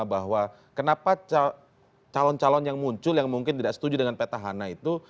bahwa kenapa calon calon yang muncul yang mungkin tidak setuju dengan petahana itu